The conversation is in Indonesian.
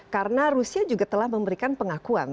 karena rusia juga telah memberikan pengakuan